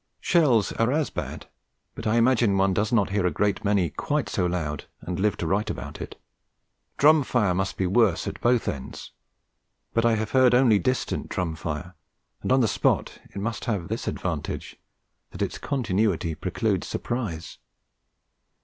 Shells are as bad, but I imagine one does not hear a great many quite so loud and live to write about it. Drum fire must be worse at both ends; but I have heard only distant drum fire, and on the spot it must have this advantage, that its continuity precludes surprise.